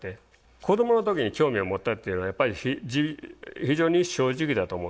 子どもの時に興味を持ったっていうのはやっぱり非常に正直だと思うんですよ。